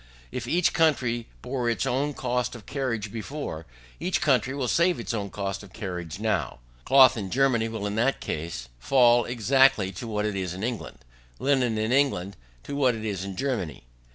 If each country bore its own cost of carriage before, each country will save its own cost of carriage now. Cloth, in Germany, will in that case fall exactly to what it is in England; linen in England, to what it is in Germany.